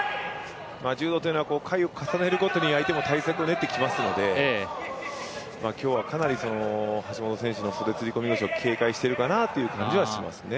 柔道というのは回を重ねるごとに相手も対策を練ってきますので今日はかなり橋本選手の袖釣り込み腰を警戒してるかなと思います。